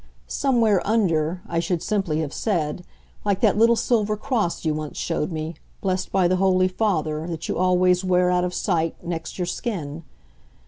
Somewhere UNDER, I should simply have said like that little silver cross you once showed me, blest by the Holy Father, that you always wear, out of sight, next your skin.